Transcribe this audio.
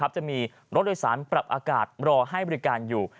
จะมีรถโดยสารปรับอากาศรอให้บริการอยู่